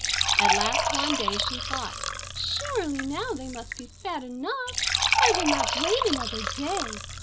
At last, one day she thought, "Surely, now they must be fat enough! I will not wait another day.